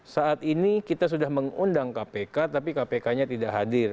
saat ini kita sudah mengundang kpk tapi kpk nya tidak hadir